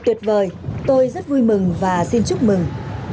tuyệt vời tôi rất vui mừng và xin chúc mừng